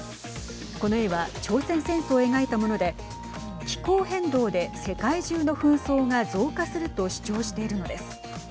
この絵は朝鮮戦争を描いたもので気候変動で世界中の紛争が増加すると主張しているのです。